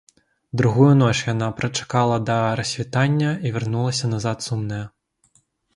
Другую ноч яна прачакала да рассвітання і вярнулася назад сумная.